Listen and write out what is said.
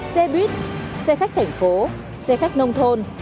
xe buýt xe khách thành phố xe khách nông thôn